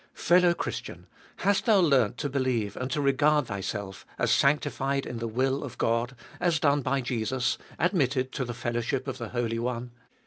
Fellow Christian ! hast thou learnt to believe and to regard thyself as sanctified in the will of God as done by Jesus, admitted to the fellowship of the Holy One?